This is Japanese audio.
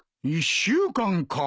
１週間か。